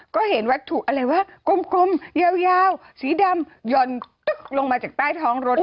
ก็เห็นวัตถุอะไรวะกลมยาวสีดำหย่อนตึ๊กลงมาจากใต้ท้องรถ